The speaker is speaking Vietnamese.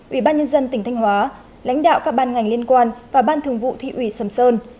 ủy ban nhân dân tỉnh thanh hóa lãnh đạo các ban ngành liên quan và ban thường vụ thị ủy sầm sơn